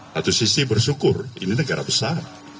satu sisi bersyukur ini negara besar